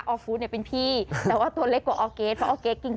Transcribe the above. ฟู้ดเนี่ยเป็นพี่แต่ว่าตัวเล็กกว่าออร์เกสเพราะออร์เกสจริง